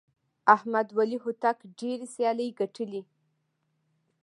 احمد ولي هوتک ډېرې سیالۍ ګټلي.